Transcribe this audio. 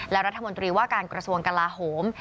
และรัฐมนตรีว่าการกระทรวงกลาโหม